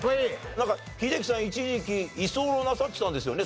なんか英樹さん一時期居候なさってたんですよね